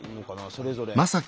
それぞれ。